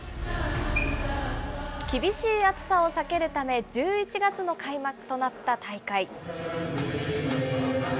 厳しい暑さを避けるため、１１月の開幕となった大会。